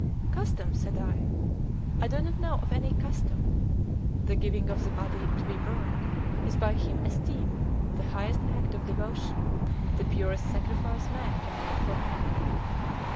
"Custom!" said I. "I do not know of any custom. The giving of the body to be burned is by him esteemed the highest act of devotion, the purest sacrifice man can make for man."